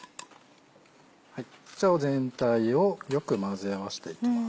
こちら全体をよく混ぜ合わせていきます。